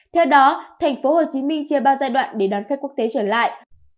theo đó thành phố hồ chí minh chia ba giai đoạn để đón khách quốc tế trở lại